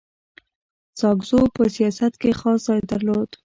ساکزو په سیاست کي خاص ځای درلود.